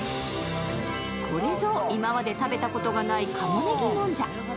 これぞ、今まで食べたことがない鴨ねぎもんじゃ。